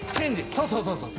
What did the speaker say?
そうそうそうそう。